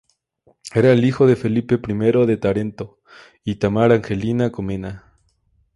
Era el hijo de Felipe I de Tarento y Tamar Angelina Comnena.